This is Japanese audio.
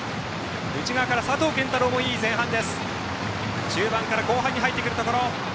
内側から佐藤拳太郎もいい前半です。